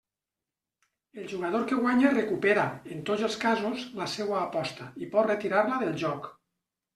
El jugador que guanya recupera, en tots els casos, la seua aposta i pot retirar-la del joc.